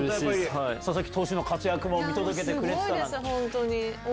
佐々木投手の活躍も見届けてくれてた。